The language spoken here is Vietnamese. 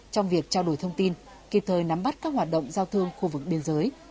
trong việc trao đổi thông tin kịp thời nắm bắt các hoạt động giao thương khu vực biên giới